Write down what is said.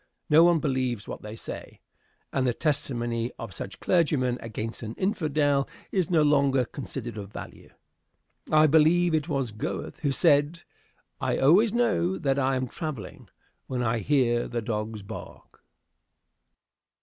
No one believes what they say, and the testimony of such clergymen against an Infidel is no longer considered of value. I believe it was Goethe who said, "I always know that I am traveling when I hear the dogs bark."